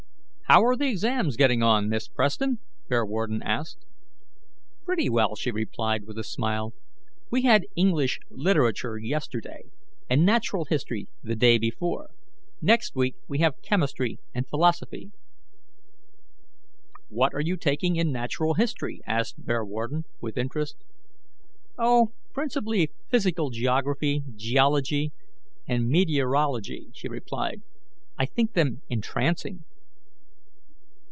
"How are the exams getting on, Miss Preston?" Bearwarden asked. "Pretty well," she replied, with a smile. "We had English literature yesterday, and natural history the day before. Next week we have chemistry and philosophy." "What are you taking in natural history?" asked Bearwarden, with interest. "Oh, principally physical geography, geology, and meteorology," she replied. "I think them entrancing."